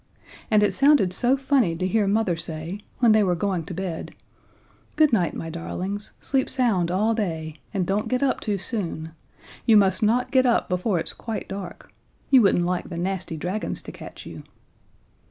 And it sounded so funny to hear Mother say, when they were going to bed: "Good night, my darlings, sleep sound all day, and don't get up too soon. You must not get up before it's quite dark. You wouldn't like the nasty dragons to catch you."